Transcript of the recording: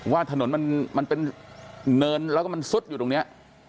ว่าถนนมันเป็นเนินแล้วก็มันซุดอยู่ตรงนี้